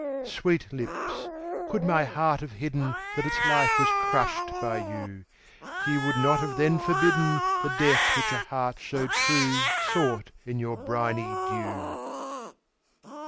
_15 4. Sweet lips, could my heart have hidden That its life was crushed by you, Ye would not have then forbidden The death which a heart so true Sought in your briny dew.